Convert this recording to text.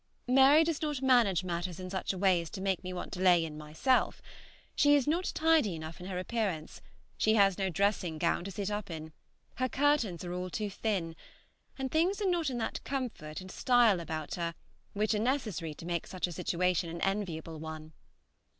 Mary does not manage matters in such a way as to make me want to lay in myself. She is not tidy enough in her appearance; she has no dressing gown to sit up in; her curtains are all too thin, and things are not in that comfort and style about her which are necessary to make such a situation an enviable one.